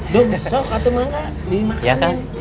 dung sok atau mangga dimakanin